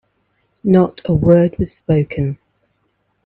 Not a word was spoken.